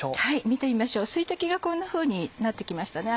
見てみましょう水滴がこんなふうになって来ましたね。